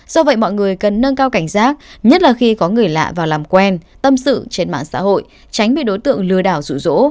do vậy mọi người cần nâng cao cảnh giác nhất là khi có người lạ vào làm quen tâm sự trên mạng xã hội tránh bị đối tượng lừa đảo rủ rỗ